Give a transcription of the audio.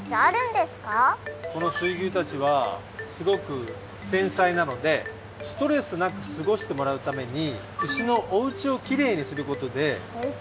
この水牛たちはすごくせんさいなのでストレスなくすごしてもらうためにうしのおうちをきれいにすることでミルクがおいしくなるよ。